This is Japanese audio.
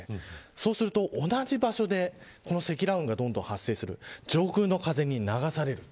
そうすると同じ場所で積乱雲がどんどん発生する上空の風に流される。